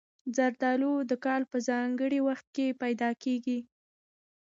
زردالو د کال په ځانګړي وخت کې پیدا کېږي.